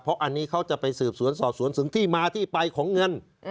เพราะอันนี้เขาจะไปสืบสวนสอบสวนถึงที่มาที่ไปของเงิน